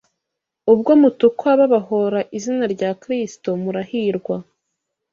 Ubwo mutukwa babahōra izina rya Kristo murahirwa,